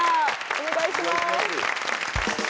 お願いします。